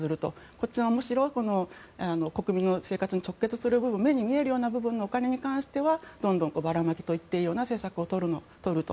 こちらはむしろ国民の生活に直結する部分目に見えるような部分のお金に関してはどんどんばらまきといったような政策を取ると。